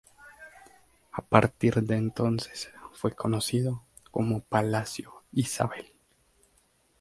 A partir de entonces, fue conocido como Palacio Isabel.